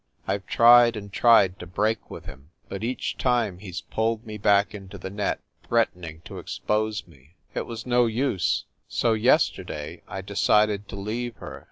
I ve tried and tried to break with him, but each time he s pulled me back into the net, threatening to expose me. It was no use. So, yesterday, I decided to leave her.